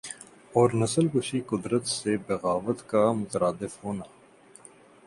اور نسل کشی قدرت سے بغاوت کا مترادف ہونا